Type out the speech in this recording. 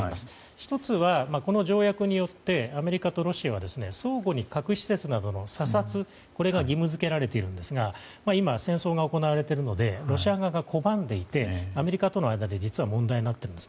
１つは、この条約によってアメリカとロシアは相互に核施設などの査察が義務付けられているんですが今、戦争が行われているのでロシア側が拒んでいてアメリカとの間で実は、問題になっています。